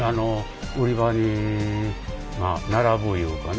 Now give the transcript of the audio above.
売り場に並ぶいうかね